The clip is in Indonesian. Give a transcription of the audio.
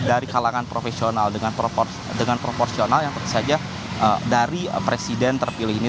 dari kalangan profesional dengan proporsional yang tentu saja dari presiden terpilih ini